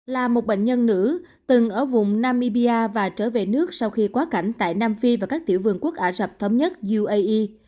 là một bệnh nhân nữ từng ở vùng namibia và trở về nước sau khi quá cảnh tại nam phi và các tiểu vương quốc ả rập thống nhất uae